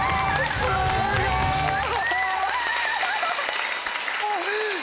すごい！